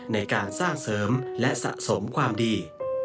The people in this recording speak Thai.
ในการสร้างเสริมและสะสมความดี